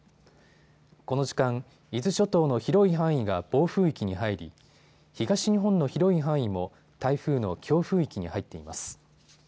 この時間、伊豆諸島の広い範囲が暴風域に入り東日本の広い範囲も台風の強風域に入っています。